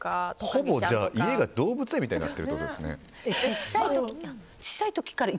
ほぼ家が動物園みたいになってるってことですね。